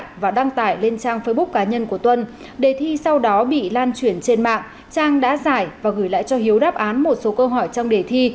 trang và đăng tải lên trang facebook cá nhân của tuân đề thi sau đó bị lan chuyển trên mạng trang đã giải và gửi lại cho hiếu đáp án một số câu hỏi trong đề thi